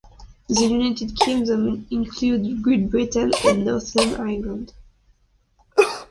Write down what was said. The United Kingdom includes Great Britain and Northern Ireland.